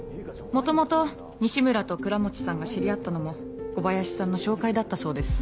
元々西村と倉持さんが知り合ったのも小林さんの紹介だったそうです。